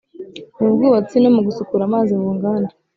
Mu bwubatsi, no mu gusukura amazi mu nganda